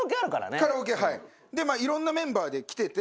カラオケはいいろんなメンバーで来てて。